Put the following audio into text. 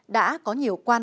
đã có nhiều quan trọng